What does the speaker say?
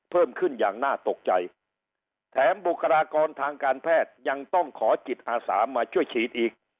เพิ่มขึ้นอย่างน่าตกใจแถมบุคลากรทางการแพทย์ยังต้องขอจิตอาสามาช่วยฉีดอีก